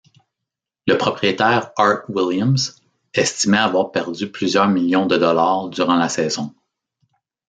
Le propriétaire Art Williams estimait avoir perdu plusieurs millions de dollars durant la saison.